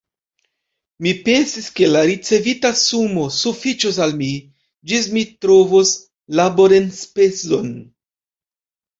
Mi pensis, ke la ricevita sumo sufiĉos al mi, ĝis mi trovos laborenspezon.